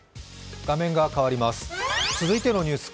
続いてのニュース